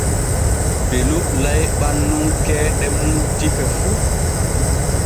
Belu layɓan nun keeɗe mum tife fu.